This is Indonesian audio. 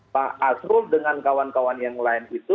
pak asrul dengan kawan kawan yang lain itu